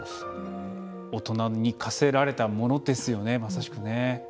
大人に課せられたものですよねまさしく。